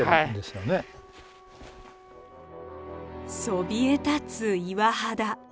そびえ立つ岩肌。